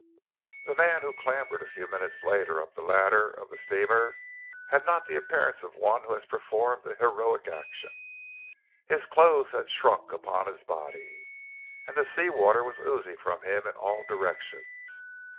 The man who clambered a few minutes later up the ladder of the steamer had not the appearance of one who has performed a heroic action. His clothes had shrunk upon his body, and the sea water was oozing from him in all directions.